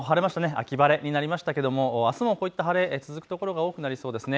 秋晴れになりましたが、あすもこういった晴れ、続く所が多くなりそうです。